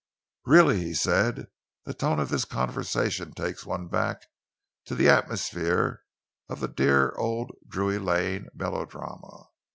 "Really," he said, "the tone of this conversation takes one back to the atmosphere of the dear old Drury Lane melodrama.